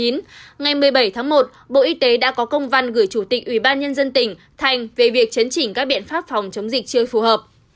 ngày một mươi bảy tháng một bộ y tế đã có công văn gửi chủ tịch ubnd tỉnh thành về việc chấn chỉnh các biện pháp phòng chống dịch chưa phù hợp